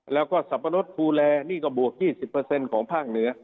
แล้วก็สรรพนธ์ฟูแลนี่ก็บวก๒๐เปอร์เซ็นต์ของภาคเหนือ